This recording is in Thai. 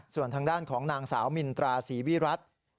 ส่วนทางด้านของนางสาวมินตราศรีวิรัติ